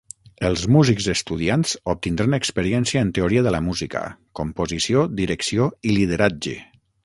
Els músics estudiants obtindran experiència en teoria de la música, composició, direcció i lideratge.